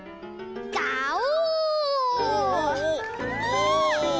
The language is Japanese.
ガオ！